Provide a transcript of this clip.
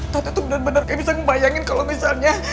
tapi tuh bener bener kayak bisa ngebayangin kalau misalnya